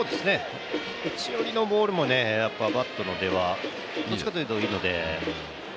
内寄りのボールもバットの出はどっちかっていうといいので。